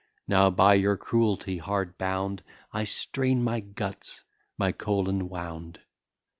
Now, by your cruelty hard bound, I strain my guts, my colon wound.